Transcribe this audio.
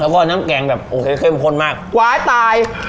แล้วก็น้ำแกงแบบโอเคเข้มข้นมากกว่าตาย